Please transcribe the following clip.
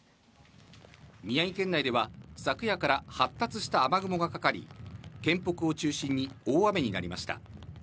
宮城県内では、昨夜から発達した雨雲がかかり、県北を中心に大雨になりました。